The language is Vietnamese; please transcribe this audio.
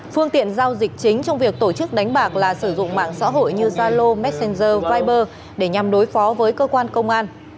phương tiện giao dịch chính trong việc tổ chức đánh bạc là sử dụng mạng xã hội như zalo messenger viber để nhằm đối phó với cơ quan công an